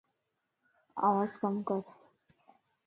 آواز ڪم ڪر